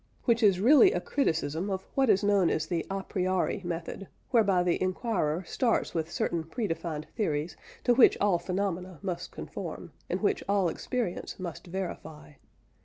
Which is really a criticism of what is known as the a priori method, whereby the inquirer starts with certain predefined theories to which all phenomena must conform, and which all experience must verify.